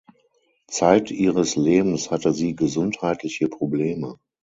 Zeit ihres Lebens hatte sie gesundheitliche Probleme.